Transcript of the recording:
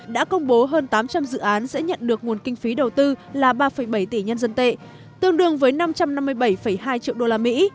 đã công bố hơn tám trăm linh dự án sẽ nhận được nguồn kinh phí đầu tư là ba bảy tỷ nhân dân tệ tương đương với năm trăm năm mươi bảy hai triệu đô la mỹ